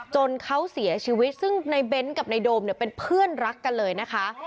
จนเขาเสียชีวิตซึ่งในเบ้นกับในโดมเนี่ยเป็นเพื่อนรักกันเลยนะคะ